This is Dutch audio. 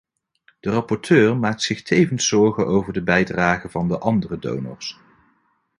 De rapporteur maakt zich tevens zorgen over de bijdrage van de andere donors.